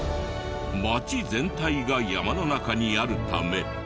町全体が山の中にあるため。